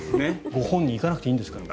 ご本人行かなくてもいいですから。